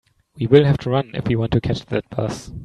We will have to run if we want to catch that bus.